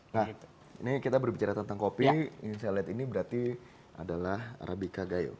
nah ini kita berbicara tentang kopi yang saya lihat ini berarti adalah arabica gayo